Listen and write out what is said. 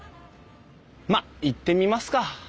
まあ行ってみますか。